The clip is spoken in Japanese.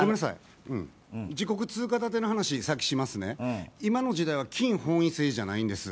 自国通貨建ての話をしますね、今の時代は金本位制じゃないんです。